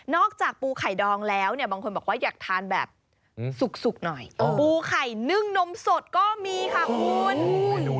จากปูไข่ดองแล้วเนี่ยบางคนบอกว่าอยากทานแบบสุกหน่อยปูไข่นึ่งนมสดก็มีค่ะคุณ